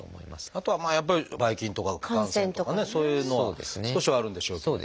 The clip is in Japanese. あとはやっぱりばい菌とか感染とかねそういうのは少しはあるんでしょうけれど。